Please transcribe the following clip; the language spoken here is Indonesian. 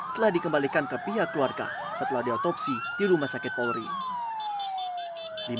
telah dikembalikan ke pihak keluarga setelah diotopsi di rumah sakit polri